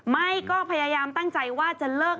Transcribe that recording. ไม่ก็พยายามตั้งใจว่าจะเลิก